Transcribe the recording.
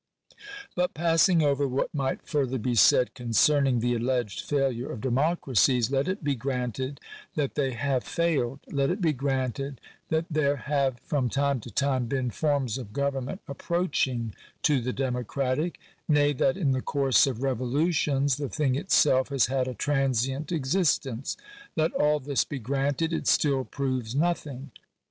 But, passing over what might further be said concerning the alleged failure of democracies, let it be granted that they have failed ; let it be granted that there have from time to time been forms of government approaching to the democratic — nay, that in the course of revolutions the thing itself has had a transient existence ; let all this be granted, it still proves nothing.